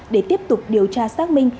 để tiếp tục điều tra xác minh